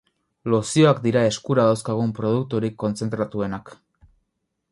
Lozioak dira eskura dauzkagun produkturik kontzentratuenak.